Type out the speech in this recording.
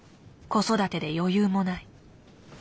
子育てで余裕もない。